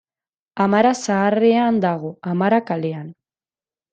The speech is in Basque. Amara Zaharrean dago, Amara kalean.